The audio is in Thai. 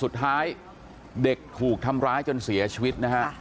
เด็กถูกทำร้ายจนเสียชีวิต